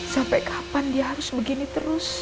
sampai kapan dia harus begini terus